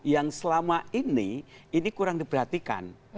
yang selama ini ini kurang diperhatikan